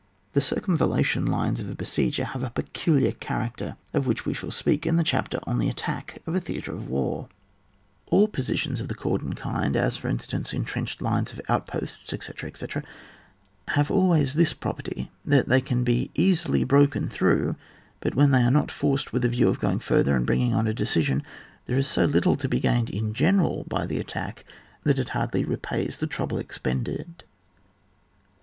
The circumvallation lines of a besiege have a peculiar character, of which we shall speak in the chapter on the attack of a theatre of war. CH .U*. XIII.] MANCEUVRING, 15 All positions of the cordon kind, as, for instance, entrenched lines of outposts, etc., etc., have always this property, that they can be easily broken through ; but when they are not forced with a view of going further and bringing on a decision, there is so little to be gained in general by the attack, that it hardly repays the trouble expended.